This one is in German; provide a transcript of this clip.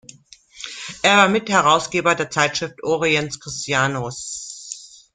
Er war Mitherausgeber der Zeitschrift Oriens Christianus.